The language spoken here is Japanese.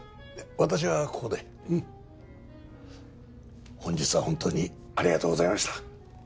私はここでうん本日は本当にありがとうございました